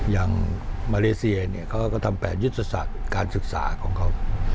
อย่างมาเลเซียเนี่ยเขาก็ทำ๘ยุทธศาสตร์การศึกษาของเขา